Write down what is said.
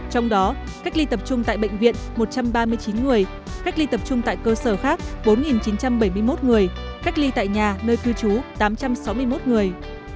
trong đó cách ly tập trung tại bệnh viện một trăm ba mươi chín người cách ly tập trung tại cơ sở khác bốn chín trăm bảy mươi một người cách ly tại nhà nơi cư trú tám trăm sáu mươi một người